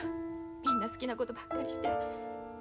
みんな好きなことばっかりして。